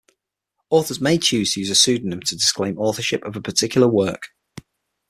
Authors may choose to use a pseudonym to disclaim authorship of a particular work.